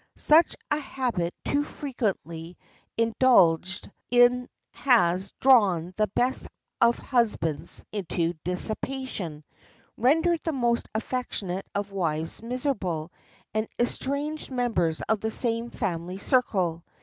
Such a habit too frequently indulged in has drawn the best of husbands into dissipation, rendered the most affectionate of wives miserable, and estranged members of the same family circle.